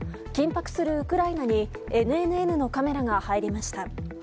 緊迫するウクライナにＮＮＮのカメラが入りました。